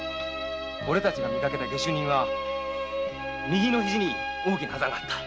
オレたちの見かけた下手人は右のヒジに大きなアザがあった。